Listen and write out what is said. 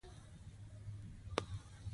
نیمه شپه ده مومن خان ورته ورپورته شو.